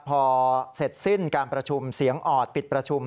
พอเสร็จสิ้นการประชุมเสียงออดปิดประชุม